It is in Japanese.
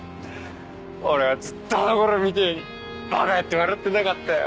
俺はずっとあのころみてえにバカやって笑ってたかったよ。